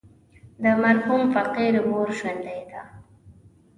د مرحوم فقير مور ژوندۍ وه.